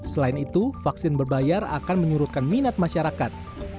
selain itu vaksin berbayar akan menyurutkan minat masyarakat